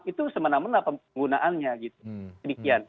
itu semena mena penggunaannya gitu